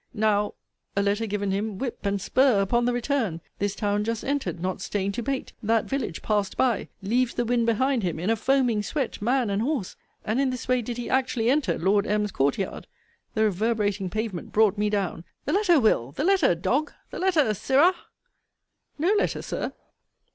Now [a letter given him] whip and spur upon the return. This town just entered, not staying to bait: that village passed by: leaves the wind behind him; in a foaming sweat man and horse. And in this way did he actually enter Lord M.'s courtyard. The reverberating pavement brought me down The letter, Will.! The letter, dog! The letter, Sirrah! No letter, Sir!